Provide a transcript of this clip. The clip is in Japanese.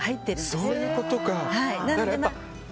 そういうことか。